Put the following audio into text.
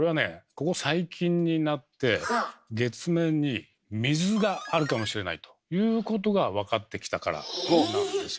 ここ最近になって月面に水があるかもしれないということが分かってきたからなんですよね。